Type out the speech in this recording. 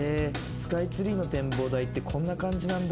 スカイツリーの展望台ってこんな感じなんだ。